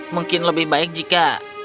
mungkin lebih baik jika